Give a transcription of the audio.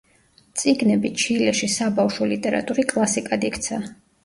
წიგნები ჩილეში საბავშვო ლიტერატური კლასიკად იქცა.